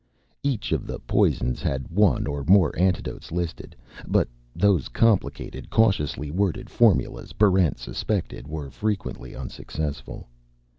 Each of the poisons had one or more antidotes listed; but those complicated, cautiously worded formulas, Barrent suspected, were frequently unsuccessful.